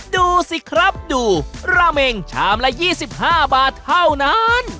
ดูสิครับดูราเมงชามละยี่สิบห้าบาทเท่านั้น